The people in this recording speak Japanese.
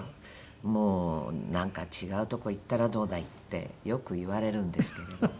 「もうなんか違うとこ行ったらどうだい？」ってよく言われるんですけれど。